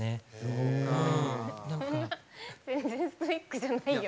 そんな全然ストイックじゃないよ。